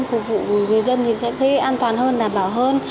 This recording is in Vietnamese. phục vụ người dân thì sẽ thấy an toàn hơn đảm bảo hơn